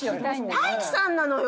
太一さんなのよ